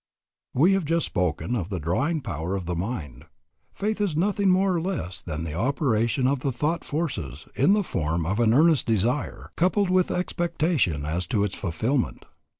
We have just spoken of the drawing power of mind. Faith is nothing more nor less than the operation of the thought forces in the form of an earnest desire, coupled with expectation as to its fulfillment.